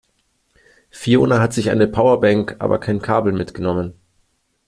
Fiona hat sich eine Powerbank, aber kein Kabel mitgenommen.